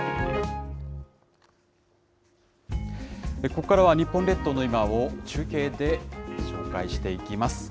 ここからは、日本列島の今を、中継で紹介していきます。